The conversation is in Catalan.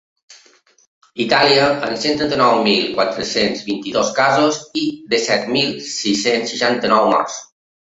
Itàlia, amb cent trenta-nou mil quatre-cents vint-i-dos casos i disset mil sis-cents seixanta-nou morts.